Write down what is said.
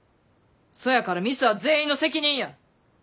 そやからミスは全員の責任や。